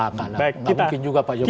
tidak mungkin juga pak jokowi